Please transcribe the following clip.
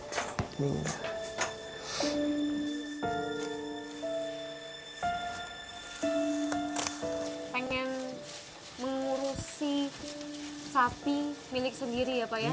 pengen mengurusi sapi milik sendiri ya pak ya